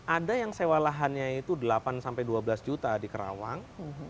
ada yang sewa lahannya itu delapan sampai dua belas juta di kerawang